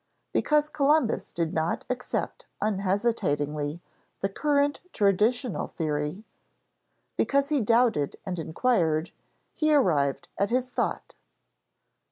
Because Columbus did not accept unhesitatingly the current traditional theory, because he doubted and inquired, he arrived at his thought.